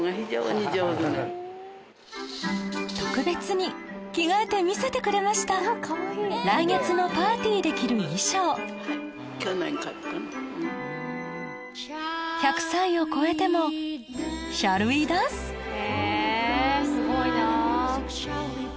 特別に着替えて見せてくれました来月のパーティーで着る衣装１００歳を超えてもへぇすごいなぁ！